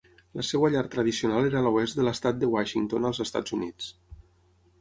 La seva llar tradicional era a l'oest de l'estat de Washington als Estats Units.